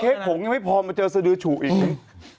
เจอเคสผมยังไม่พอมาเจอสดือฉูอีก